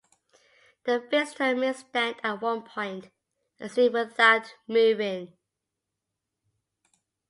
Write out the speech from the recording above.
The visitor may stand at one point and see without moving.